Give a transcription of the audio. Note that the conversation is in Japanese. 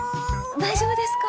大丈夫ですか？